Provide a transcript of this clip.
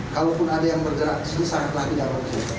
kalaupun ada yang bergerak di sini sangatlah tidak mungkin